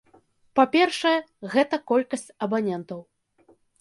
Па-першае, гэта колькасць абанентаў.